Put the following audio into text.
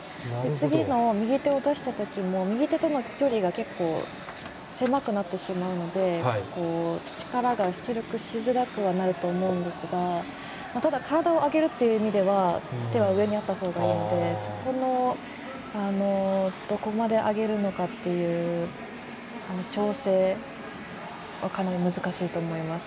次の右手を出した時も右手との距離が結構、狭くなってしまうので力が出力しづらくなると思うんですがただ、体を上げるという意味では手は上にあったほうがいいのでそこのどこまで上げるのかっていう調整は、かなり難しいと思います。